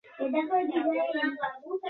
মুক্তিযোদ্ধারা পেছনে সরে গেলেন।